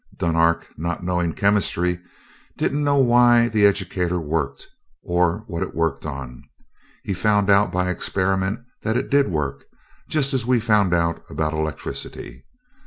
Dunark, not knowing chemistry, didn't know why the educator worked or what it worked on he found out by experiment that it did work; just as we found out about electricity.